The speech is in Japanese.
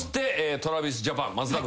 ＴｒａｖｉｓＪａｐａｎ松田君。